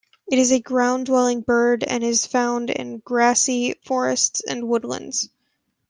It is a ground-dwelling bird and is found in grassy forests and woodlands.